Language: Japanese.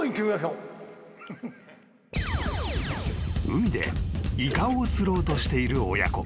［海でイカを釣ろうとしている親子］